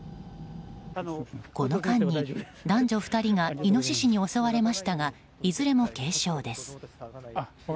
この間に、男女２人がイノシシに襲われましたがいずれも軽傷です。